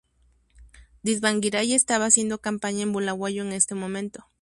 Tsvangirai estaba haciendo campaña en Bulawayo en este momento.